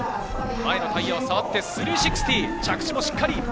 前のタイヤを触って３６０。